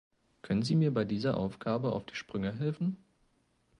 Können Sie mir bei dieser Aufgabe auf die Sprünge helfen?